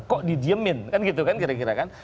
kok didiemin kan gitu kan kira kira kan